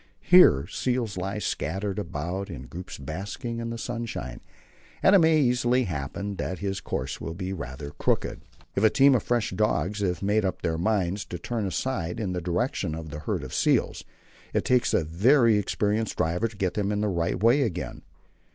Here seals lie scattered about in groups basking in the sunshine, and it may easily happen that his course will be rather crooked. If a team of fresh dogs have made up their minds to turn aside in the direction of a herd of seals, it takes a very experienced driver to get them in the right way again.